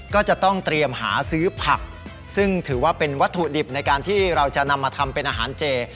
ก็จะต้องเตรียมหาซื้อผักซึ่งถือว่าเป็นวัตถุดิบในการที่เราจะนำมาทำเป็นอาหารเจ